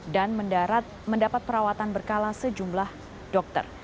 dan mendapat perawatan berkala sejumlah dokter